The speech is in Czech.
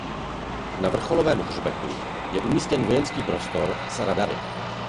Na vrcholovém hřbetu je umístěn vojenský prostor s radary.